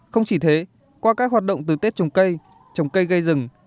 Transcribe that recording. không chỉ thế qua các hoạt động từ tết trồng cây trồng cây gây rừng